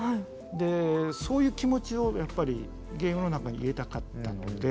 でそういう気持ちをやっぱりゲームの中に入れたかったので。